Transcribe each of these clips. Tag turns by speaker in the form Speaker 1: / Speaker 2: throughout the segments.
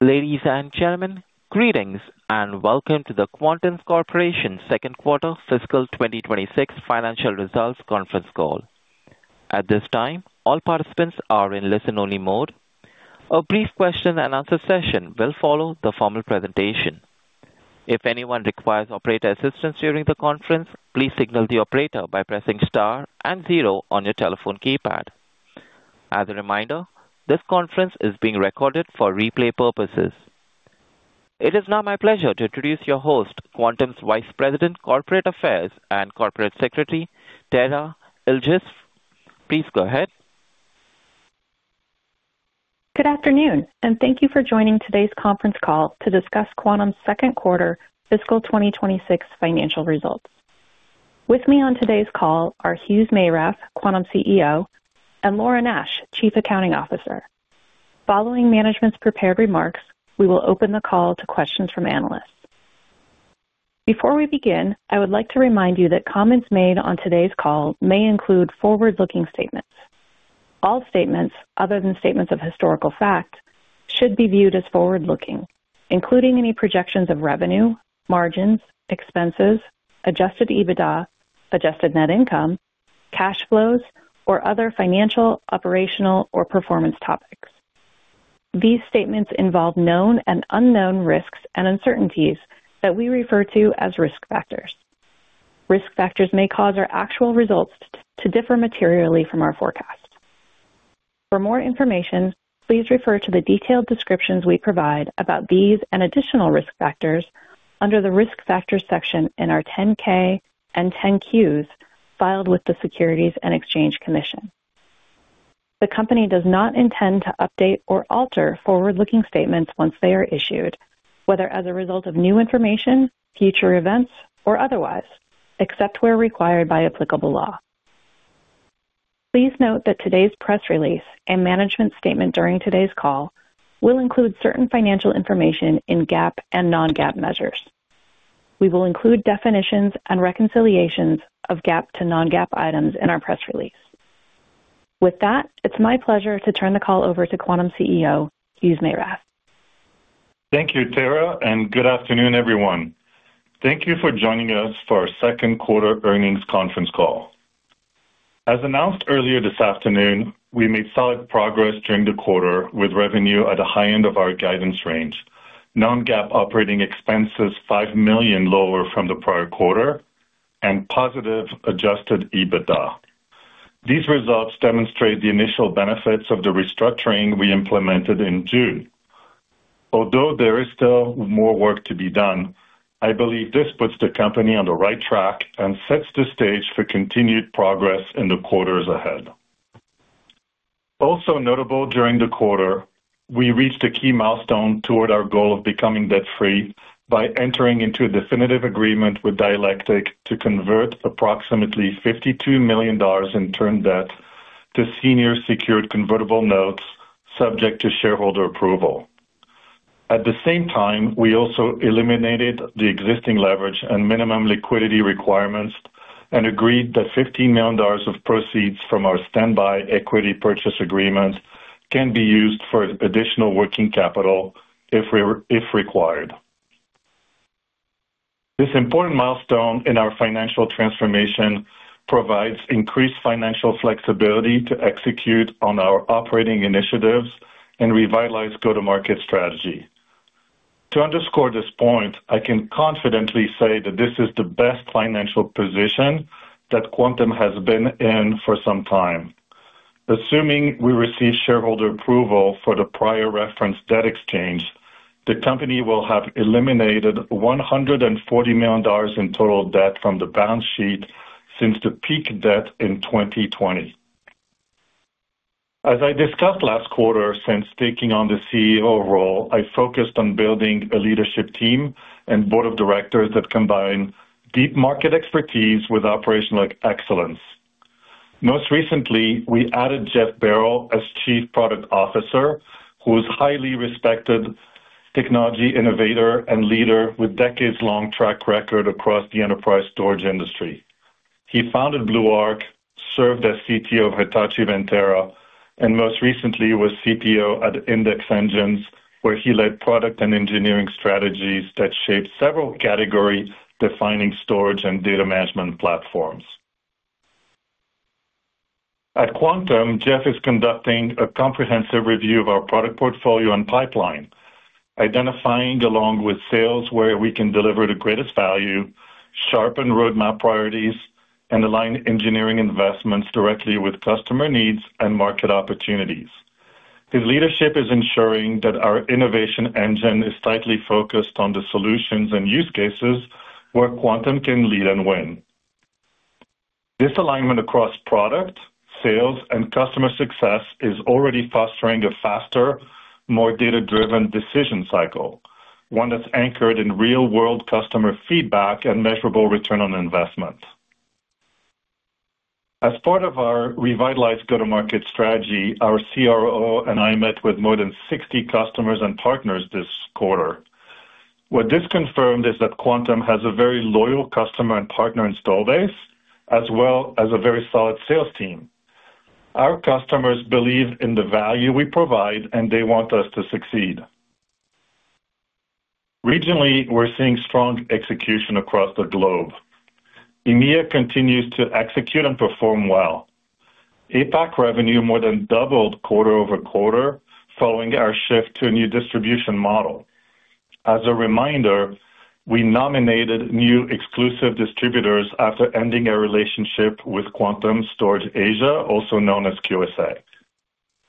Speaker 1: Ladies and gentlemen, greetings and welcome to the Quantum Corporation Second Quarter Fiscal 2026 Financial Results Conference Call. At this time, all participants are in listen-only mode. A brief question-and-answer session will follow the formal presentation. If anyone requires operator assistance during the conference, please signal the operator by pressing star and zero on your telephone keypad. As a reminder, this conference is being recorded for replay purposes. It is now my pleasure to introduce your host, Quantum's Vice President, Corporate Affairs and Corporate Secretary, Tara Ilges. Please go ahead.
Speaker 2: Good afternoon, and thank you for joining today's conference call to discuss Quantum's second quarter fiscal 2026 financial results. With me on today's call are Hugues Meyrath, Quantum CEO, and Laura Nash, Chief Accounting Officer. Following management's prepared remarks, we will open the call to questions from analysts. Before we begin, I would like to remind you that comments made on today's call may include forward-looking statements. All statements, other than statements of historical fact, should be viewed as forward-looking, including any projections of revenue, margins, expenses, adjusted EBITDA, adjusted net income, cash flows, or other financial, operational, or performance topics. These statements involve known and unknown risks and uncertainties that we refer to as risk factors. Risk factors may cause our actual results to differ materially from our forecast. For more information, please refer to the detailed descriptions we provide about these and additional risk factors under the risk factors section in our 10-K and 10-Qs filed with the Securities and Exchange Commission. The company does not intend to update or alter forward-looking statements once they are issued, whether as a result of new information, future events, or otherwise, except where required by applicable law. Please note that today's press release and management statement during today's call will include certain financial information in GAAP and non-GAAP measures. We will include definitions and reconciliations of GAAP to non-GAAP items in our press release. With that, it's my pleasure to turn the call over to Quantum CEO, Hugues Meyrath.
Speaker 3: Thank you, Tara, and good afternoon, everyone. Thank you for joining us for our Second Quarter Earnings Conference Call. As announced earlier this afternoon, we made solid progress during the quarter with revenue at the high end of our guidance range, non-GAAP operating expenses $5 million lower from the prior quarter, and positive adjusted EBITDA. These results demonstrate the initial benefits of the restructuring we implemented in June. Although there is still more work to be done, I believe this puts the company on the right track and sets the stage for continued progress in the quarters ahead. Also notable during the quarter, we reached a key milestone toward our goal of becoming debt-free by entering into a definitive agreement with Dialectic to convert approximately $52 million in term debt to Senior Secured Convertible Notes subject to shareholder approval. At the same time, we also eliminated the existing leverage and minimum liquidity requirements and agreed that $15 million of proceeds from our Standby Equity Purchase Agreement can be used for additional working capital if required. This important milestone in our financial transformation provides increased financial flexibility to execute on our operating initiatives and revitalize go-to-market strategy. To underscore this point, I can confidently say that this is the best financial position that Quantum has been in for some time. Assuming we receive shareholder approval for the prior reference debt exchange, the company will have eliminated $140 million in total debt from the balance sheet since the peak debt in 2020. As I discussed last quarter, since taking on the CEO role, I focused on building a leadership team and board of directors that combine deep market expertise with operational excellence. Most recently, we added Jeff Barrow as Chief Product Officer, who is a highly respected technology innovator and leader with a decades-long track record across the enterprise storage industry. He founded Blue Arc, served as CTO of Hitachi Vantara, and most recently was CTO at Index Engines, where he led product and engineering strategies that shaped several category-defining storage and data management platforms. At Quantum, Jeff is conducting a comprehensive review of our product portfolio and pipeline, identifying along with sales where we can deliver the greatest value, sharpen roadmap priorities, and align engineering investments directly with customer needs and market opportunities. His leadership is ensuring that our innovation engine is tightly focused on the solutions and use cases where Quantum can lead and win. This alignment across product, sales, and customer success is already fostering a faster, more data-driven decision cycle, one that's anchored in real-world customer feedback and measurable return on investment. As part of our revitalized go-to-market strategy, our CRO and I met with more than 60 customers and partners this quarter. What this confirmed is that Quantum has a very loyal customer and partner install base, as well as a very solid sales team. Our customers believe in the value we provide, and they want us to succeed. Regionally, we're seeing strong execution across the globe. EMEA continues to execute and perform well. APAC revenue more than doubled quarter over quarter following our shift to a new distribution model. As a reminder, we nominated new exclusive distributors after ending our relationship with Quantum Storage Asia, also known as QSA.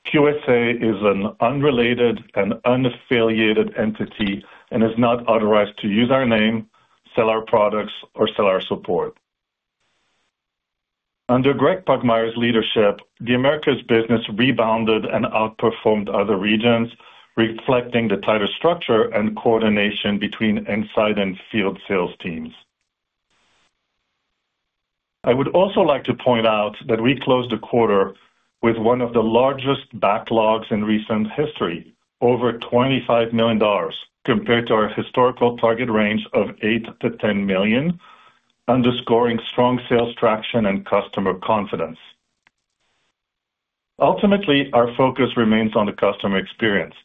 Speaker 3: QSA is an unrelated and unaffiliated entity and is not authorized to use our name, sell our products, or sell our support. Under Gregg Pugmire's leadership, the Americas business rebounded and outperformed other regions, reflecting the tighter structure and coordination between inside and field sales teams. I would also like to point out that we closed the quarter with one of the largest backlogs in recent history, over $25 million, compared to our historical target range of $8-$10 million, underscoring strong sales traction and customer confidence. Ultimately, our focus remains on the customer experience,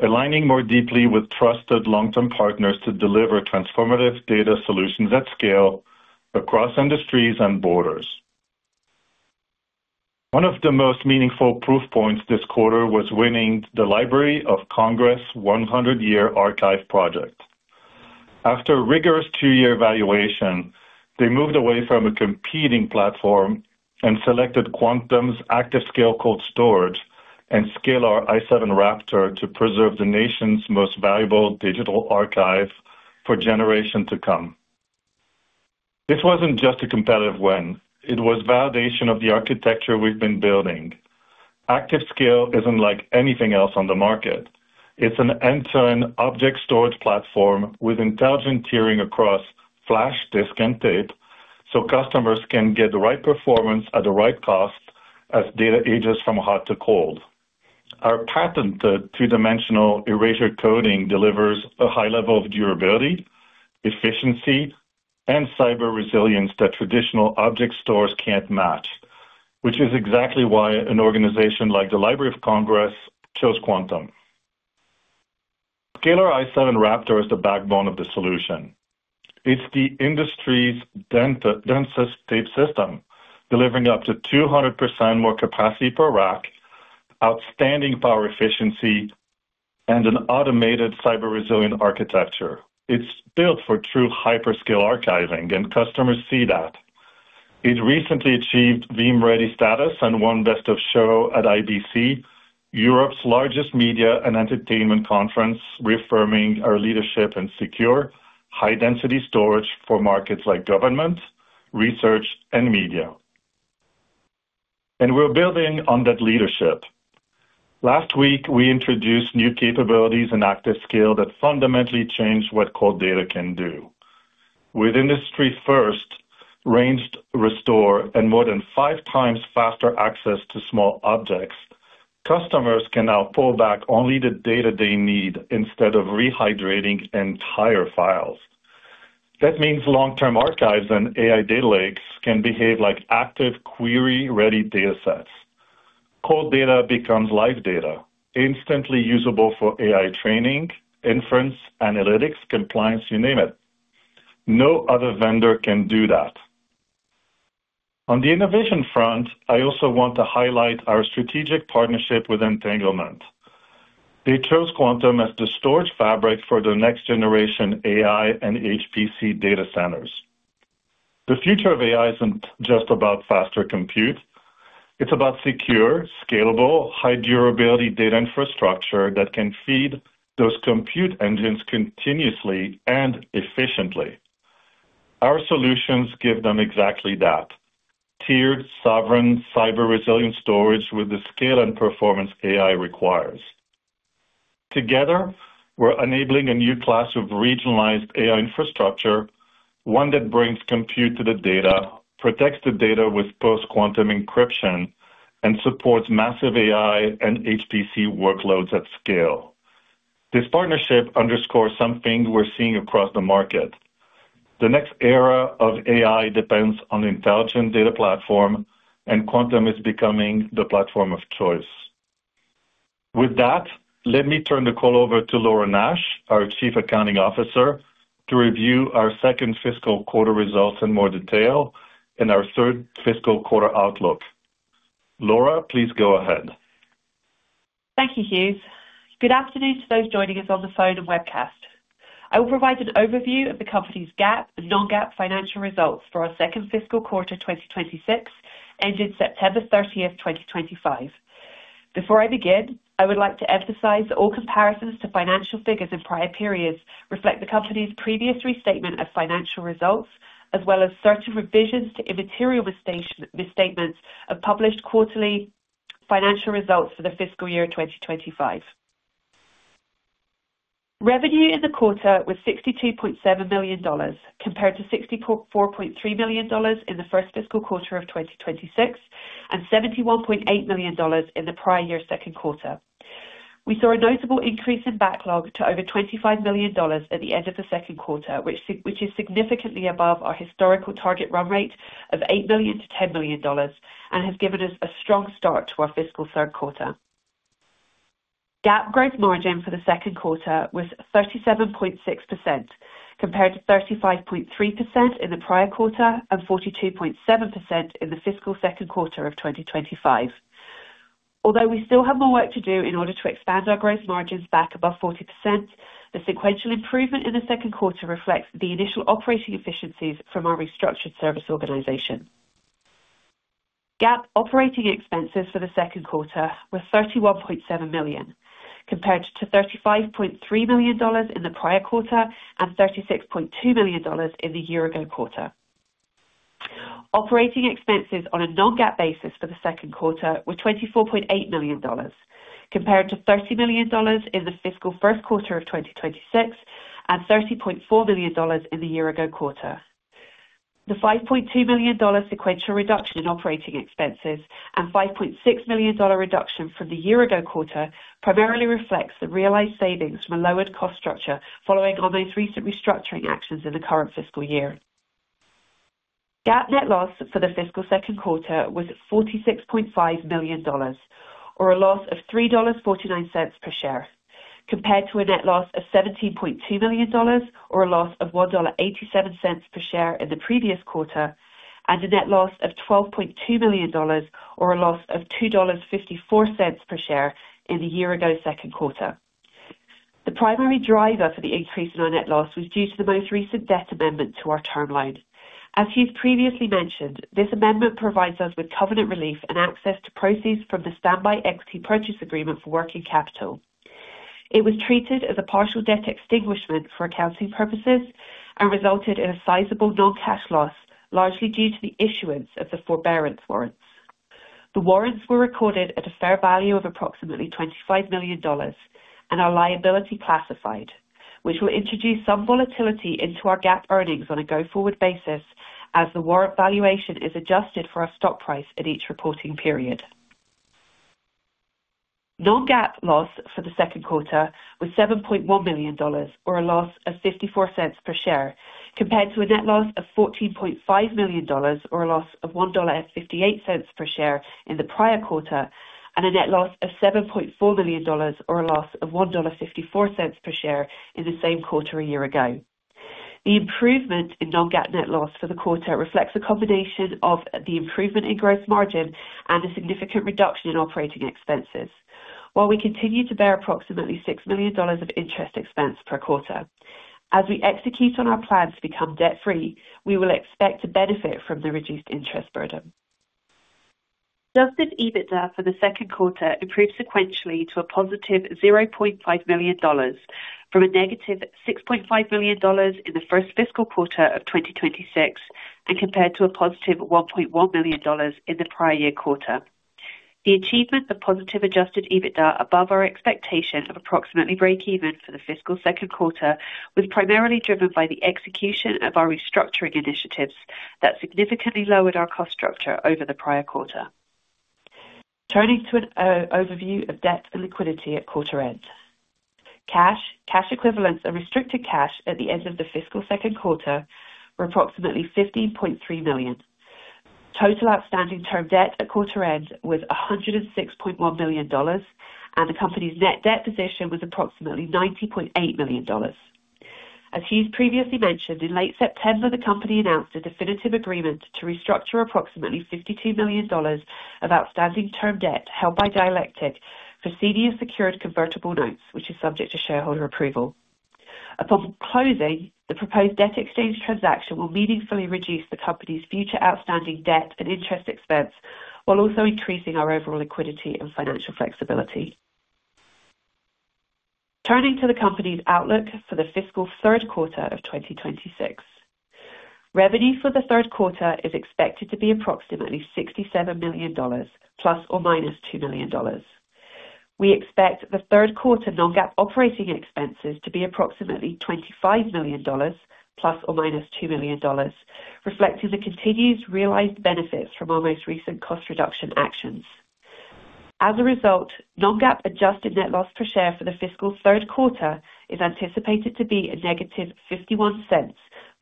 Speaker 3: aligning more deeply with trusted long-term partners to deliver transformative data solutions at scale across industries and borders. One of the most meaningful proof points this quarter was winning the Library of Congress 100-year archive project. After rigorous two-year evaluation, they moved away from a competing platform and selected Quantum's ActiveScale Cold Storage and Scalar i7 RAPTOR to preserve the nation's most valuable digital archive for generations to come. This was not just a competitive win. It was validation of the architecture we have been building. ActiveScale is not like anything else on the market. It is an end-to-end object storage platform with intelligent tiering across flash, disk, and tape, so customers can get the right performance at the right cost as data ages from hot to cold. Our patented 2-Dimensional Erasure Coding delivers a high level of durability, efficiency, and cyber resilience that traditional object stores cannot match, which is exactly why an organization like the Library of Congress chose Quantum. Scalar i7 RAPTOR is the backbone of the solution. It's the industry's densest tape system, delivering up to 200% more capacity per rack, outstanding power efficiency, and an automated cyber resilient architecture. It's built for true hyperscale archiving, and customers see that. It recently achieved Veeam Ready status and won Best of Show at IBC, Europe's largest media and entertainment conference, reaffirming our leadership in secure, high-density storage for markets like government, research, and media. We're building on that leadership. Last week, we introduced new capabilities in ActiveScale that fundamentally change what cold data can do. With Industry First, RangeRestore, and more than five times faster access to small objects, customers can now pull back only the data they need instead of rehydrating entire files. That means long-term archives and AI data lakes can behave like active query-ready data sets. Cold data becomes live data, instantly usable for AI training, inference, analytics, compliance, you name it. No other vendor can do that. On the innovation front, I also want to highlight our strategic partnership with Entanglement. They chose Quantum as the storage fabric for the next generation AI and HPC data centers. The future of AI is not just about faster compute. It is about secure, scalable, high durability data infrastructure that can feed those compute engines continuously and efficiently. Our solutions give them exactly that: tiered, sovereign, cyber resilient storage with the scale and performance AI requires. Together, we are enabling a new class of regionalized AI infrastructure, one that brings compute to the data, protects the data with post-quantum encryption, and supports massive AI and HPC workloads at scale. This partnership underscores something we are seeing across the market. The next era of AI depends on the intelligent data platform, and Quantum is becoming the platform of choice. With that, let me turn the call over to Laura Nash, our Chief Accounting Officer, to review our second fiscal quarter results in more detail and our third fiscal quarter outlook. Laura, please go ahead.
Speaker 4: Thank you, Hugues. Good afternoon to those joining us on the phone and webcast. I will provide an overview of the company's GAAP and non-GAAP financial results for our second fiscal quarter 2026, ending September 30, 2025. Before I begin, I would like to emphasize that all comparisons to financial figures in prior periods reflect the company's previous restatement of financial results, as well as certain revisions to immaterial misstatements of published quarterly financial results for the fiscal year 2025. Revenue in the quarter was $62.7 million, compared to $64.3 million in the first fiscal quarter of 2026 and $71.8 million in the prior year's second quarter. We saw a notable increase in backlog to over $25 million at the end of the second quarter, which is significantly above our historical target run rate of $8 million-$10 million and has given us a strong start to our fiscal third quarter. GAAP Gross Margin for the second quarter was 37.6%, compared to 35.3% in the prior quarter and 42.7% in the fiscal second quarter of 2025. Although we still have more work to do in order to expand our gross margins back above 40%, the sequential improvement in the second quarter reflects the initial operating efficiencies from our restructured service organization. GAAP operating expenses for the second quarter were $31.7 million, compared to $35.3 million in the prior quarter and $36.2 million in the year-ago quarter. Operating expenses on a non-GAAP basis for the second quarter were $24.8 million, compared to $30 million in the fiscal first quarter of 2026 and $30.4 million in the year-ago quarter. The $5.2 million sequential reduction in operating expenses and $5.6 million reduction from the year-ago quarter primarily reflects the realized savings from a lowered cost structure following our most recent restructuring actions in the current fiscal year. GAAP Net Loss for the fiscal second quarter was $46.5 million, or a loss of $3.49 per share, compared to a net loss of $17.2 million, or a loss of $1.87 per share in the previous quarter, and a net loss of $12.2 million, or a loss of $2.54 per share in the year-ago second quarter. The primary driver for the increase in our net loss was due to the most recent debt amendment to our term loan. As Hugues previously mentioned, this amendment provides us with covenant relief and access to proceeds from the Standby Equity Purchase Agreement for working capital. It was treated as a partial debt extinguishment for accounting purposes and resulted in a sizable non-cash loss, largely due to the issuance of the forbearance warrants. The warrants were recorded at a fair value of approximately $25 million and are liability classified, which will introduce some volatility into our GAAP earnings on a go-forward basis as the warrant valuation is adjusted for our stock price at each reporting period. Non-GAAP loss for the second quarter was $7.1 million, or a loss of $0.54 per share, compared to a net loss of $14.5 million, or a loss of $1.58 per share in the prior quarter, and a net loss of $7.4 million, or a loss of $1.54 per share in the same quarter a year ago. The improvement in non-GAAP net loss for the quarter reflects a combination of the improvement in gross margin and a significant reduction in operating expenses, while we continue to bear approximately $6 million of interest expense per quarter. As we execute on our plans to become debt-free, we will expect to benefit from the reduced interest burden. Just as EBITDA for the second quarter improved sequentially to a positive $0.5 million from a negative $6.5 million in the first fiscal quarter of 2026 and compared to a positive $1.1 million in the prior year quarter. The achievement of positive adjusted EBITDA above our expectation of approximately break-even for the fiscal second quarter was primarily driven by the execution of our restructuring initiatives that significantly lowered our cost structure over the prior quarter. Turning to an overview of debt and liquidity at quarter-end, cash, cash equivalents, and restricted cash at the end of the fiscal second quarter were approximately $15.3 million. Total outstanding term debt at quarter-end was $106.1 million, and the company's net debt position was approximately $90.8 million. As Hugues previously mentioned, in late September, the company announced a definitive agreement to restructure approximately $52 million of outstanding term debt held by Dialectic for senior secured convertible notes, which is subject to shareholder approval. Upon closing, the proposed debt exchange transaction will meaningfully reduce the company's future outstanding debt and interest expense, while also increasing our overall liquidity and financial flexibility. Turning to the company's outlook for the fiscal third quarter of 2026, revenue for the third quarter is expected to be approximately $67 million, plus or minus $2 million. We expect the third quarter non-GAAP operating expenses to be approximately $25 million, plus or minus $2 million, reflecting the continued realized benefits from our most recent cost reduction actions. As a result, non-GAAP adjusted net loss per share for the fiscal third quarter is anticipated to be a $ -0.51,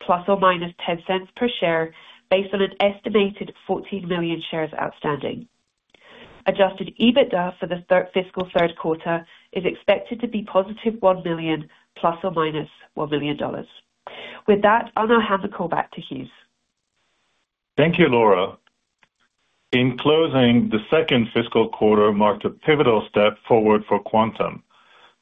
Speaker 4: plus or minus $0.10 per share, based on an estimated 14 million shares outstanding. Adjusted EBITDA for the fiscal third quarter is expected to be +$1 million, ± $1 million. With that, I'll now hand the call back to Hugues.
Speaker 3: Thank you, Laura. In closing, the second fiscal quarter marked a pivotal step forward for Quantum,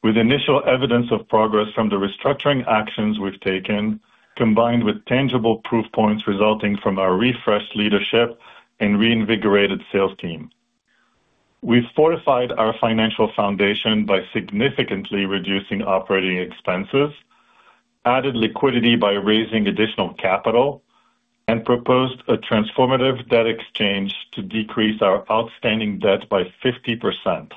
Speaker 3: with initial evidence of progress from the restructuring actions we've taken, combined with tangible proof points resulting from our refreshed leadership and reinvigorated sales team. We've fortified our financial foundation by significantly reducing operating expenses, added liquidity by raising additional capital, and proposed a transformative debt exchange to decrease our outstanding debt by 50%.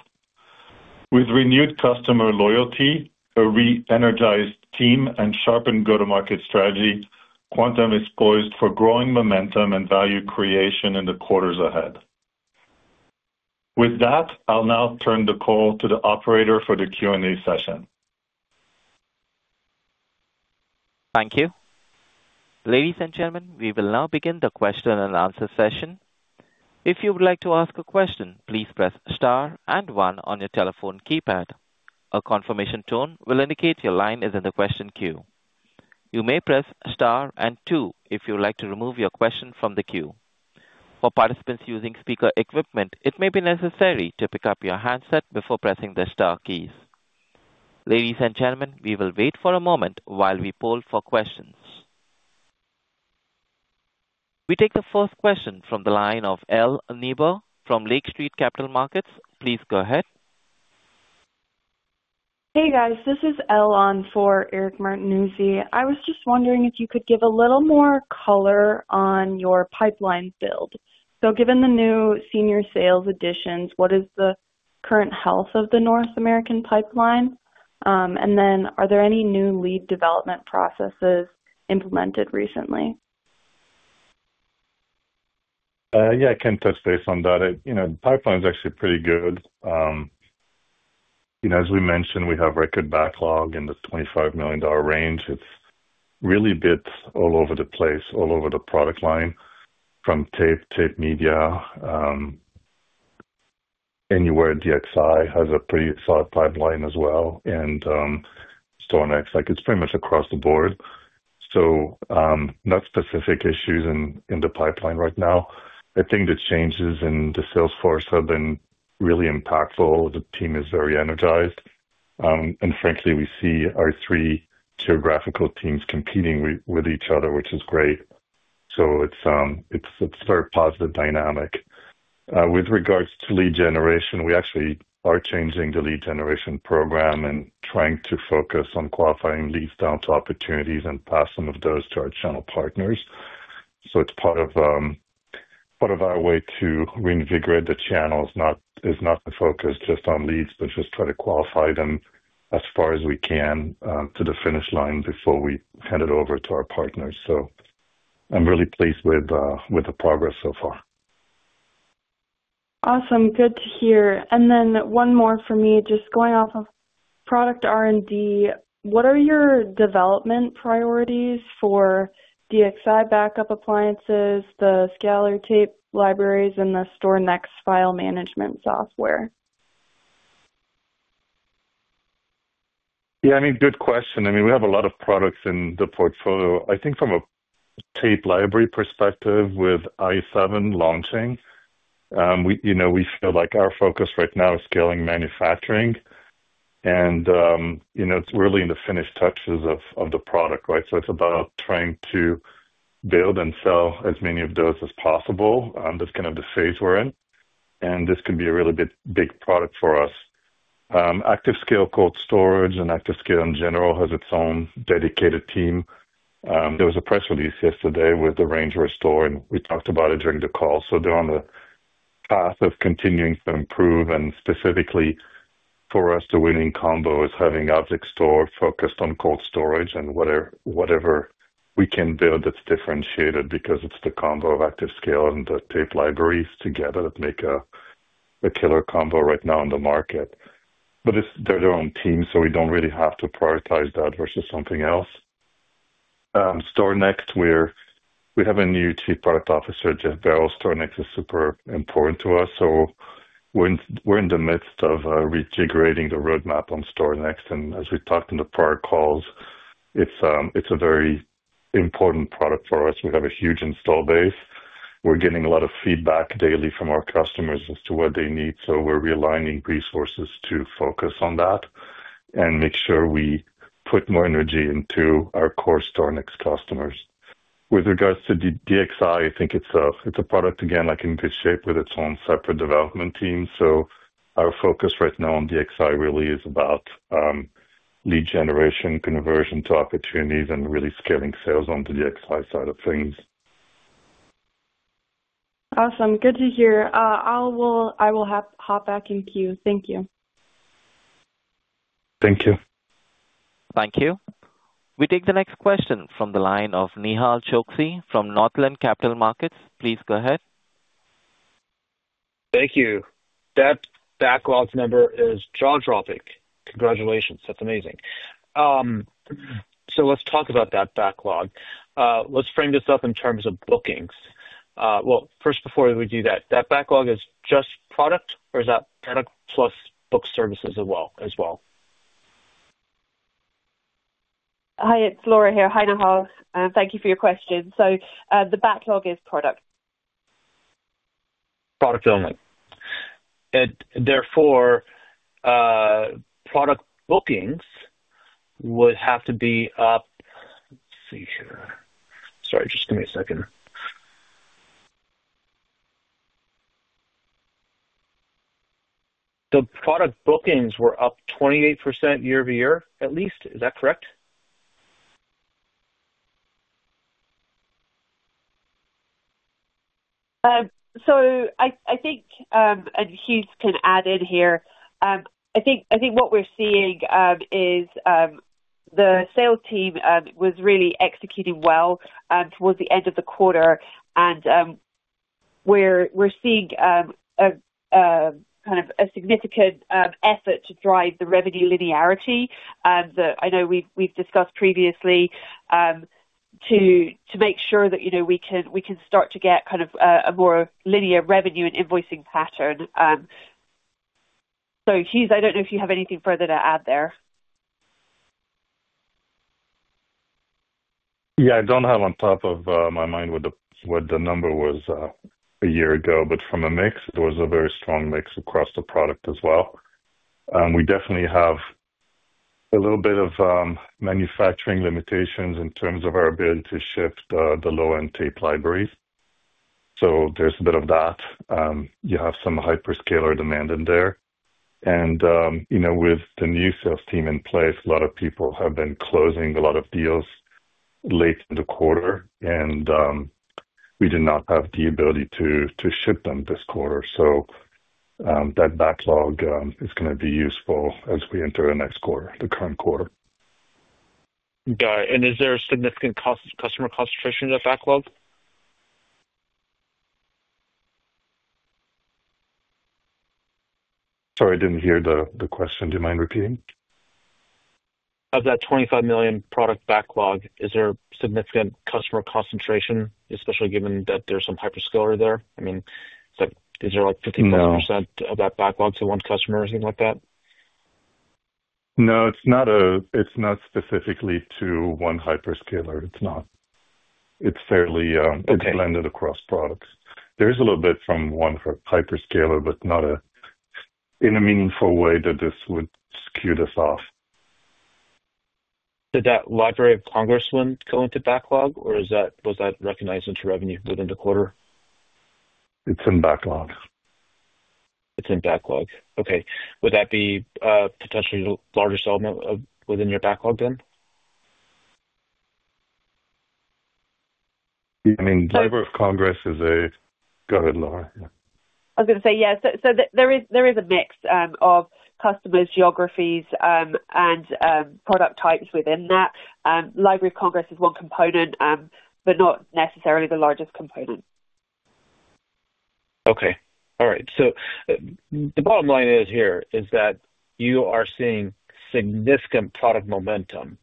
Speaker 3: With renewed customer loyalty, a re-energized team, and sharpened go-to-market strategy, Quantum is poised for growing momentum and value creation in the quarters ahead. With that, I'll now turn the call to the operator for the Q&A session.
Speaker 1: Thank you. Ladies and gentlemen, we will now begin the question and answer session. If you would like to ask a question, please press Star and one on your telephone keypad. A confirmation tone will indicate your line is in the question queue. You may press Star and two if you would like to remove your question from the queue. For participants using speaker equipment, it may be necessary to pick up your handset before pressing the Star keys. Ladies and gentlemen, we will wait for a moment while we poll for questions. We take the first question from the line of Elle Niebuhr from Lake Street Capital Markets. Please go ahead.
Speaker 5: Hey, guys. This is Elle on for Eric Martinuzzi. I was just wondering if you could give a little more color on your pipeline build. Given the new senior sales additions, what is the current health of the North American pipeline? Are there any new lead development processes implemented recently?
Speaker 3: Yeah, I can touch base on that. The pipeline is actually pretty good. As we mentioned, we have record backlog in the $25 million range. It's really bits all over the place, all over the product line, from tape, tape media, anywhere DXi has a pretty solid pipeline as well, and StorNext. It's pretty much across the board. Not specific issues in the pipeline right now. I think the changes in the sales force have been really impactful. The team is very energized. Frankly, we see our three geographical teams competing with each other, which is great. It's a very positive dynamic. With regards to lead generation, we actually are changing the lead generation program and trying to focus on qualifying leads down to opportunities and pass some of those to our channel partners. It's part of our way to reinvigorate the channels, not to focus just on leads, but just try to qualify them as far as we can to the finish line before we hand it over to our partners. I'm really pleased with the progress so far.
Speaker 5: Awesome. Good to hear. And then one more for me, just going off of product R&D, what are your development priorities for DXi Backup Appliances, the Scalar Tape Libraries, and the StorNext File Management Software?
Speaker 3: Yeah, I mean, good question. I mean, we have a lot of products in the portfolio. I think from a Tape Library perspective with i7 launching, we feel like our focus right now is scaling manufacturing. It is really in the finished touches of the product, right? It is about trying to build and sell as many of those as possible. That is kind of the phase we are in. This can be a really big product for us. ActiveScale cold storage and ActiveScale in general has its own dedicated team. There was a press release yesterday with the RangeRestore. We talked about it during the call. They are on the path of continuing to improve. Specifically for us, the winning combo is having ObjectStore focused on cold storage and whatever we can build that's differentiated because it's the combo of ActiveScale and the tape libraries together that make a killer combo right now in the market. They are their own team, so we don't really have to prioritize that versus something else. StorNext, we have a new Chief Product Officer, Jeff Barrow. StorNext is super important to us. We're in the midst of rejiggering the roadmap on StorNext. As we talked in the prior calls, it's a very important product for us. We have a huge install base. We're getting a lot of feedback daily from our customers as to what they need. We're realigning resources to focus on that and make sure we put more energy into our core StorNext customers. With regards to DXi, I think it's a product, again, like in good shape with its own separate development team. Our focus right now on DXi really is about lead generation, conversion to opportunities, and really scaling sales on the DXi side of things.
Speaker 5: Awesome. Good to hear. I will hop back in queue. Thank you.
Speaker 3: Thank you.
Speaker 1: Thank you. We take the next question from the line of Nehal Chokshi from Northland Capital Markets. Please go ahead.
Speaker 6: Thank you. That backlog number is jaw-dropping. Congratulations. That's amazing. Let's talk about that backlog. Let's frame this up in terms of bookings. First, before we do that, that backlog is just product, or is that product plus booked services as well?
Speaker 4: Hi, it's Laura Nash. Thank you for your question. So the backlog is product.
Speaker 6: Product only. Therefore, product bookings would have to be up. Let's see here. Sorry, just give me a second. The product bookings were up 28% year-over-year, at least. Is that correct?
Speaker 4: I think Hugues can add in here. I think what we're seeing is the sales team was really executing well towards the end of the quarter. We're seeing kind of a significant effort to drive the revenue linearity that I know we've discussed previously to make sure that we can start to get kind of a more linear revenue and invoicing pattern. Hugues, I don't know if you have anything further to add there.
Speaker 3: Yeah, I don't have on top of my mind what the number was a year ago, but from a mix, it was a very strong mix across the product as well. We definitely have a little bit of manufacturing limitations in terms of our ability to ship the low-end Tape Libraries. There is a bit of that. You have some hyperscaler demand in there. With the new sales team in place, a lot of people have been closing a lot of deals late in the quarter. We did not have the ability to ship them this quarter. That backlog is going to be useful as we enter the next quarter, the current quarter.
Speaker 6: Got it. Is there a significant customer concentration in that backlog?
Speaker 3: Sorry, I didn't hear the question. Do you mind repeating?
Speaker 6: Of that $25 million product backlog, is there significant customer concentration, especially given that there's some hyperscaler there? I mean, is there like 50% of that backlog to one customer or anything like that?
Speaker 3: No, it's not specifically to one hyperscaler. It's fairly blended across products. There is a little bit from one hyperscaler, but not in a meaningful way that this would skew this off.
Speaker 6: Did that Library of Congress one go into backlog, or was that recognized into revenue within the quarter?
Speaker 3: It's in backlog.
Speaker 6: It's in backlog. Okay. Would that be potentially a larger settlement within your backlog then?
Speaker 3: I mean, Library of Congress is a—go ahead, Laura.
Speaker 4: I was going to say, yeah. There is a mix of customers, geographies, and product types within that. Library of Congress is one component, but not necessarily the largest component.
Speaker 6: Okay. All right. The bottom line here is that you are seeing significant product momentum.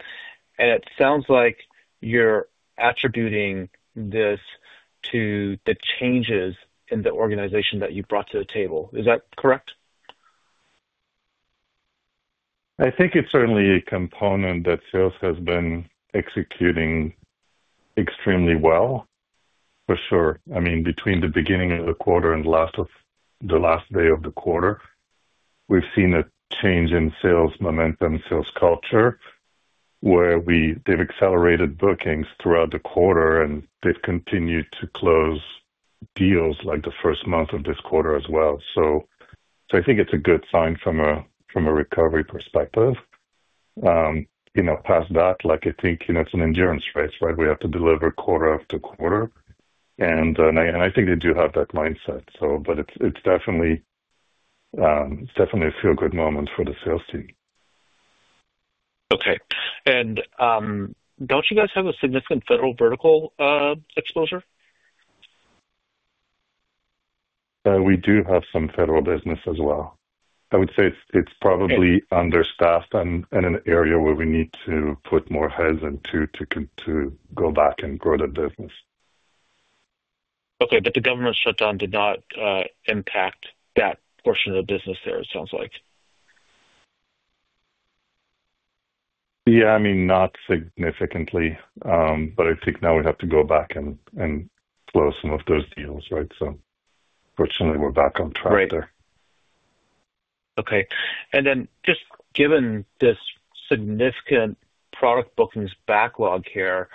Speaker 6: It sounds like you're attributing this to the changes in the organization that you brought to the table. Is that correct?
Speaker 3: I think it's certainly a component that sales has been executing extremely well, for sure. I mean, between the beginning of the quarter and the last day of the quarter, we've seen a change in sales momentum, sales culture, where they've accelerated bookings throughout the quarter, and they've continued to close deals like the first month of this quarter as well. I think it's a good sign from a recovery perspective. Past that, I think it's an endurance race, right? We have to deliver quarter-after-quarter. I think they do have that mindset. It's definitely a feel-good moment for the sales team.
Speaker 6: Okay. Don't you guys have a significant federal vertical exposure?
Speaker 3: We do have some federal business as well. I would say it's probably understaffed in an area where we need to put more heads in to go back and grow that business.
Speaker 6: Okay. The government shutdown did not impact that portion of the business there, it sounds like.
Speaker 3: Yeah, I mean, not significantly. I think now we have to go back and close some of those deals, right? Fortunately, we're back on track there.
Speaker 6: Right. Okay. And then just given this significant product bookings backlog here,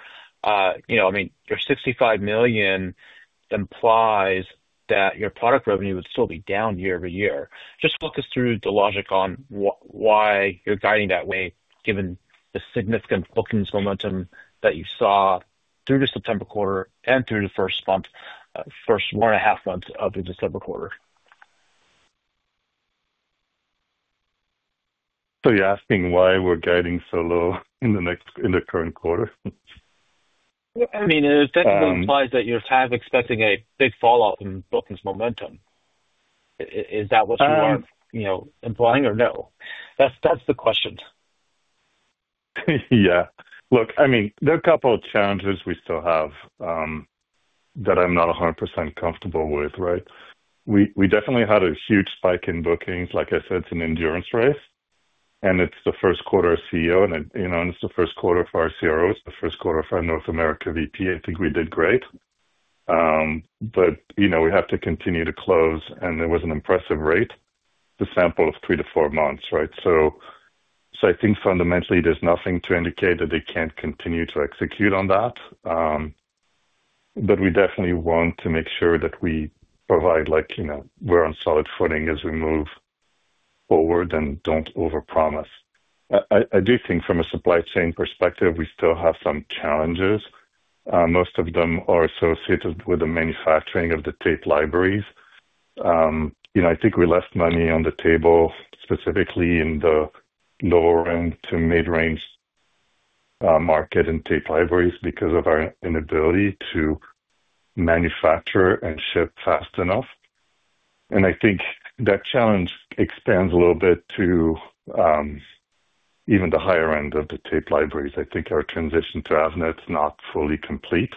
Speaker 6: I mean, your $65 million implies that your product revenue would still be down year-over-year. Just walk us through the logic on why you're guiding that way given the significant bookings momentum that you saw through the September quarter and through the first one and a half months of the December quarter.
Speaker 3: You're asking why we're guiding so low in the current quarter?
Speaker 6: I mean, it definitely implies that you're kind of expecting a big fallout in bookings momentum. Is that what you are implying, or no? That's the question.
Speaker 3: Yeah. Look, I mean, there are a couple of challenges we still have that I'm not 100% comfortable with, right? We definitely had a huge spike in bookings. Like I said, it's an endurance race. It's the first quarter of CEO. It's the first quarter for our CRO. It's the first quarter for our North America VP. I think we did great. We have to continue to close. It was an impressive rate, the sample of three to four months, right? I think fundamentally, there's nothing to indicate that they can't continue to execute on that. We definitely want to make sure that we provide we're on solid footing as we move forward and don't overpromise. I do think from a supply chain perspective, we still have some challenges. Most of them are associated with the manufacturing of the Tape Libraries. I think we left money on the table specifically in the lower-end to mid-range market and tape libraries because of our inability to manufacture and ship fast enough. And I think that challenge expands a little bit to even the higher end of the tape libraries. I think our transition to Avnet's not fully complete.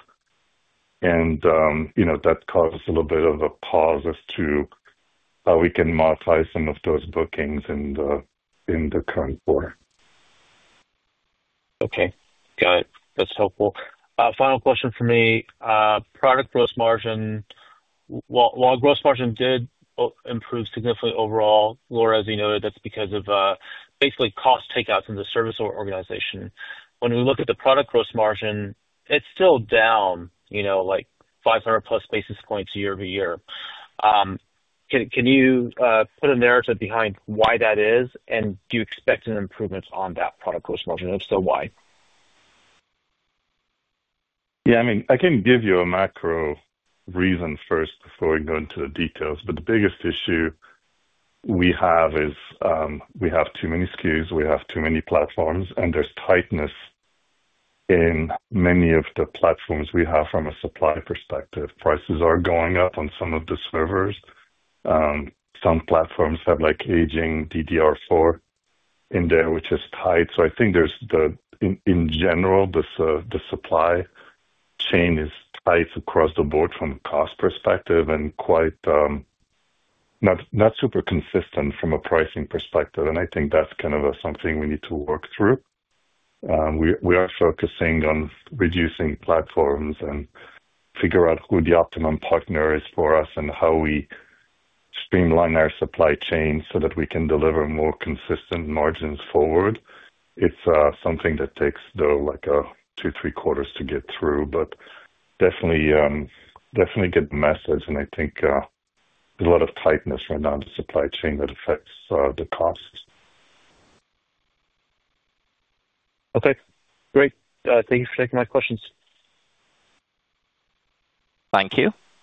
Speaker 3: And that caused a little bit of a pause as to how we can modify some of those bookings in the current quarter.
Speaker 6: Okay. Got it. That's helpful. Final question for me. Product gross margin. While gross margin did improve significantly overall, Laura, as you noted, that's because of basically cost takeouts in the service organization. When we look at the product gross margin, it's still down like 500-plus basis points year-over-year. Can you put a narrative behind why that is? And do you expect an improvement on that product gross margin? And if so, why?
Speaker 3: Yeah. I mean, I can give you a macro reason first before we go into the details. The biggest issue we have is we have too many SKUs. We have too many platforms. There is tightness in many of the platforms we have from a supply perspective. Prices are going up on some of the servers. Some platforms have aging DDR4 in there, which is tight. I think, in general, the supply chain is tight across the board from a cost perspective and not super consistent from a pricing perspective. I think that is kind of something we need to work through. We are focusing on reducing platforms and figuring out who the optimum partner is for us and how we streamline our supply chain so that we can deliver more consistent margins forward. It's something that takes, though, like two, three quarters to get through, but definitely get the message. And I think there's a lot of tightness right now in the supply chain that affects the costs.
Speaker 6: Okay. Great. Thank you for taking my questions.
Speaker 1: Thank you.